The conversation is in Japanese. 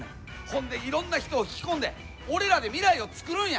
ほんでいろんな人を引き込んで俺らで未来を作るんや！